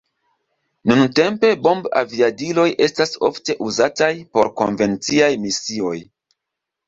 Nuntempe bombaviadiloj estas ofte uzataj por konvenciaj misioj.